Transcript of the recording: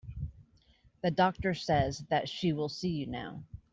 The doctor says that she will see you now.